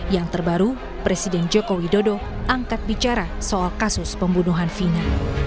yang terbaru presiden joko widodo angkat bicara soal kasus pembunuhan vina